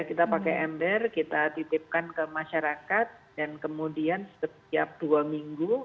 kita pakai ember kita titipkan ke masyarakat dan kemudian setiap dua minggu